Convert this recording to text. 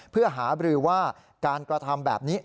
เพื่อหาบรือว่าการกระทำแบบนี้